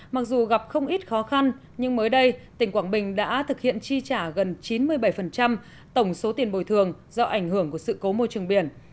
mặc dù gặp không ít khó khăn nhưng mới đây tỉnh quảng bình đã thực hiện chi trả gần chín mươi bảy tổng số tiền bồi thường do ảnh hưởng của sự cố môi trường biển